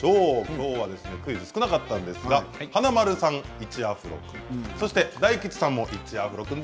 きょうはクイズ少なかったんですが華丸さん、１アフロ大吉さんも１アフロ君。